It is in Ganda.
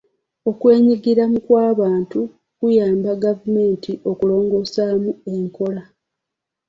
Okwenyigiramu kw'abantu kuyamba gavumenti okulongoosa enkola.